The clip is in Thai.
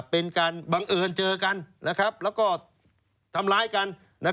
เป็นการบังเอิญเจอกันแล้วก็ทำร้ายกัน